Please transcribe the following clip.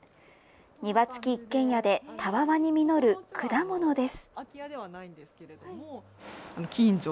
庭付き一軒家でたわわに実る果物です。